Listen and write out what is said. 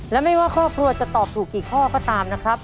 และไม่ว่าครอบครัวจะตอบถูกกี่ข้อก็ตามนะครับ